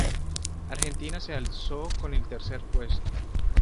Argentina se alzó con el tercer puesto.